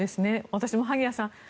私も萩谷さん